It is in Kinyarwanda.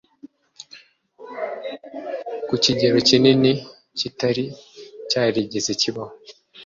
ku kigero kinini kitari cyarigeze kibaho